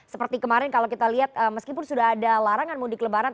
seperti kemarin kalau kita lihat meskipun sudah ada larangan mudik lebaran